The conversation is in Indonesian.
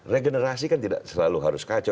regenerasi kan tidak selalu harus kaca